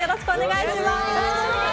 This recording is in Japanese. よろしくお願いします！